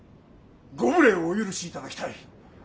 ご無礼をお許しいただきたい。